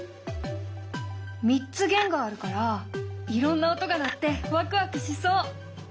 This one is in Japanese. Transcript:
３つ弦があるからいろんな音が鳴ってワクワクしそう！